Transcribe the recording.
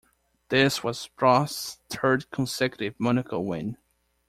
This was Prost's third consecutive Monaco win.